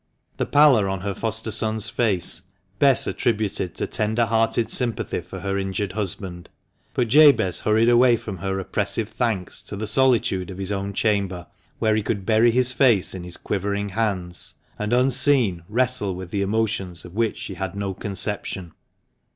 The pallor on her foster son's face Bess attributed to tender hearted sympathy for her injured husband; but Jabez hurried away from her oppressive thanks to the solitude of his own chamber, where he could bury his face in his quivering hands, and unseen wrestle with emotions of which she had no conception.